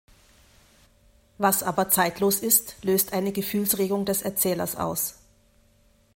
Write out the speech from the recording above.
Was aber zeitlos ist, löst eine Gefühlsregung des Erzählers aus.